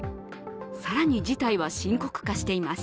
更に事態は深刻化しています。